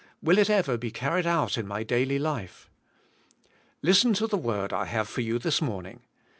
Will it ever be carried out in my dail}^ life?" Listen to the word I have for you this morning".